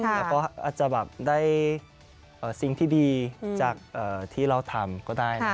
แล้วก็อาจจะแบบได้สิ่งที่ดีจากที่เราทำก็ได้นะ